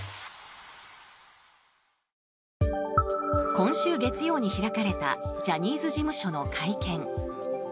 今週月曜に開かれたジャニーズ事務所の会見。